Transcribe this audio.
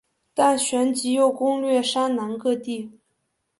但旋即又攻掠山南各地。